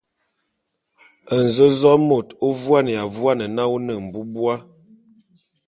Nzōzôé môt ô vuane vuane na ô ne mbubua.